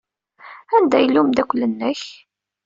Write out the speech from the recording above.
Anda yella umeddakel-nnek?